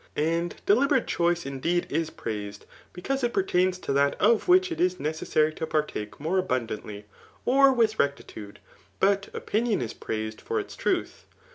And deliberate choice indeed is praised, because it pertains to that of whidi it is necessary to partake more abundantly, or with rectitude ; but opinion is praised for its truth.